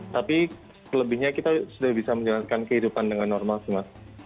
tapi kelebihnya kita sudah bisa menjalankan kehidupan dengan normal sih mas